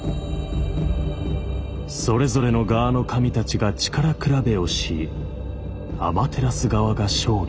それぞれの側の神たちが力比べをしアマテラス側が勝利。